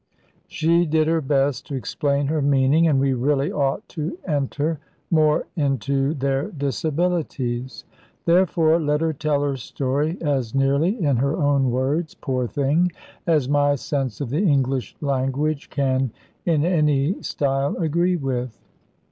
She did her best to explain her meaning; and we really ought to enter more into their disabilities. Therefore let her tell her story, as nearly in her own words, poor thing, as my sense of the English language can in any style agree with.